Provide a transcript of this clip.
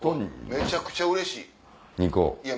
めちゃくちゃうれしいいや